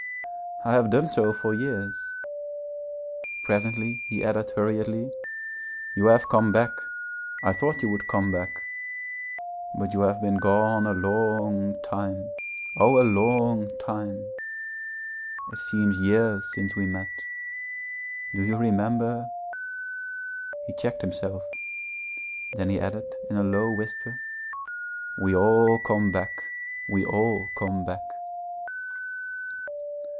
I have done so for years....' Presently he added hurriedly, 'You have come back. I thought you would come back, but you have been gone a long time oh, a long time! It seems years since we met. Do you remember ?' He checked himself; then he added in a low whisper, 'We all come back, we all come back.'